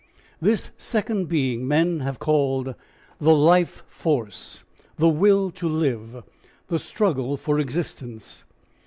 ... This second Being men have called the Life Force, the Will to Live, the Struggle for Existence.